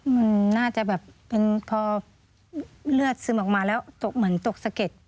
มันน่าจะแบบเป็นพอเลือดซึมออกมาแล้วตกเหมือนตกสะเก็ด